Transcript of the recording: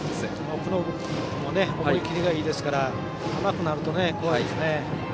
奥信君も思い切りがいいので甘くなると怖いですね。